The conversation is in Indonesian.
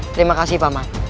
terima kasih pak man